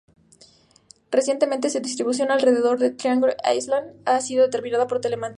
Recientemente su distribución alrededor Triangle Island ha sido determinado por telemetría.